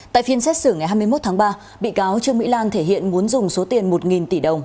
tại phiên xét xử ngày hai mươi một tháng ba bị cáo trương mỹ lan thể hiện muốn dùng số tiền một tỷ đồng